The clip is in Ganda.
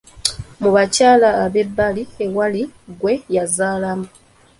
Mu bakyala ab'ebbali, ewali gwe yazaalamu.